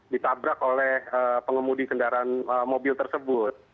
ditabrak oleh pengemudi kendaraan mobil tersebut